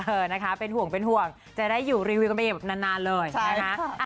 เออนะคะเป็นห่วงจะได้อยู่รีวิวกับเขาแบบนานเลยนะคะ